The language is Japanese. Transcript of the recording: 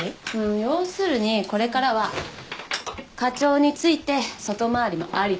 要するにこれからは課長に付いて外回りもありってことよ。